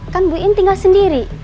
kan buin tinggal sendiri